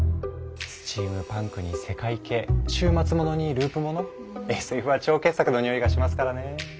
スチームパンクにセカイ系終末ものにループものＳＦは超傑作のにおいがしますからね。